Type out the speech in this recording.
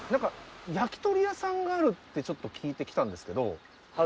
焼き鳥屋さんがあるって聞いて来たんですけど。